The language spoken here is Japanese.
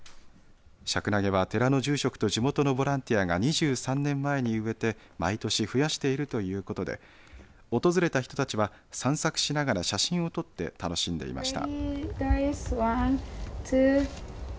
シャクナゲは寺の住職と地元のボランティアが２３年前に植えて、毎年増やしているということで訪れた人たちは散策しながら写真を撮って楽しんでいました。